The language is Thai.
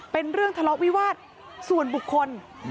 เป็นเรื่องทะเลาะวิวาสส่วนบุคคล